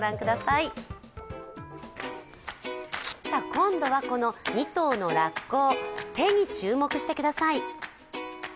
今度は２頭のラッコ、手に注目してください。